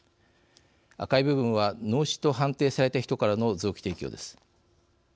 赤い部分は脳死と判定された人からの臓器提供です。